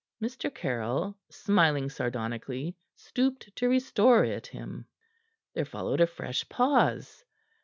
Mr. Caryll, smiling sardonically, stooped to restore it him. There followed a fresh pause.